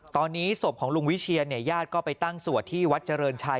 ตอนนี้ศพของลุงวิเชียนเนี่ยญาติก็ไปตั้งสวดที่วัดเจริญชัย